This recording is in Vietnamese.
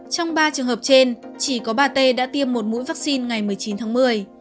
trong ba trường hợp trên chỉ có bà t đã tiêm một mũi vaccine ngày một mươi chín tháng một mươi